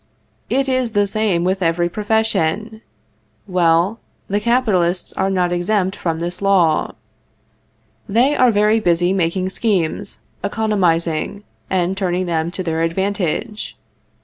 It is the same with every profession. Well, the capitalists are not exempt from this law. They are very busy making schemes, economizing, and turning them to their advantage.